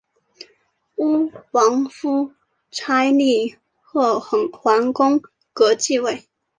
吴王夫差立邾桓公革继位。